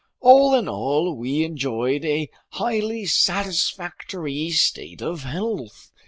All in all, we enjoyed a highly satisfactory state of health.